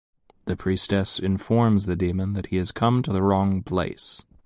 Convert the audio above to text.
The priestess informs the demon that he has come to the wrong place.